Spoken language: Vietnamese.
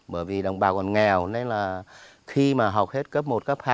bởi vì đồng bào còn nghèo nên là khi mà học hết cấp một cấp hai